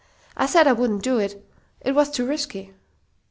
I said I wouldn't do it; it was too risky."